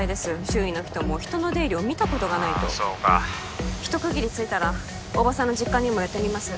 周囲の人も人の出入りを見たことがないと☎ああそうか一区切りついたら大庭さんの実家にも寄ってみます